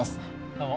どうも。